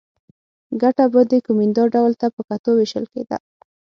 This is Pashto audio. ګټه به د کومېندا ډول ته په کتو وېشل کېده.